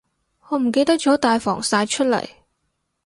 我唔記得咗帶防曬出嚟